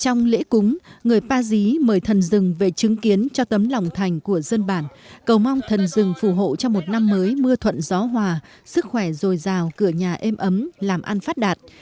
trong lễ cúng người ba dí mời thần rừng về chứng kiến cho tấm lòng thành của dân bản cầu mong thần rừng phù hộ cho một năm mới mưa thuận gió hòa sức khỏe dồi dào cửa nhà êm ấm làm ăn phát đạt